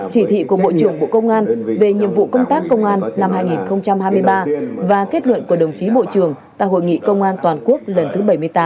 chỉ thị của bộ trưởng bộ công an về nhiệm vụ công tác công an năm hai nghìn hai mươi ba và kết luận của đồng chí bộ trưởng tại hội nghị công an toàn quốc lần thứ bảy mươi tám